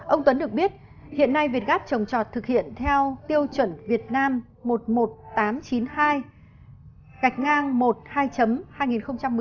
ông tuấn được biết hiện nay việt gáp trồng tròn thực hiện theo tiêu chuẩn việt nam một mươi một nghìn tám trăm chín mươi hai gạch ngang một hai hai nghìn một mươi tám